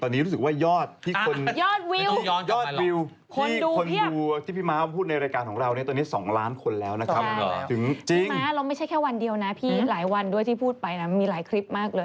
พี่ม้าเราไม่ใช่แค่วันเดียวนะพี่หลายวันด้วยที่พูดไปนะมีหลายคลิปมากเลย